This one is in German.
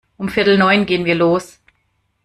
Um viertel neun gehn wir los.